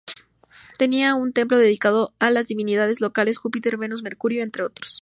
Tenía un templo dedicado a las divinidades locales, Júpiter, Venus, Mercurio, entre otros.